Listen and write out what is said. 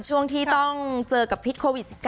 ช่วงที่ต้องเจอกับพิษโควิด๑๙